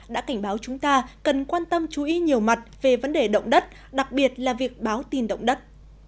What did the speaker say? đã cảnh báo chúng ta cần quan tâm chú ý nhiều mặt về vấn đề động đất đặc biệt là việc báo tin động đất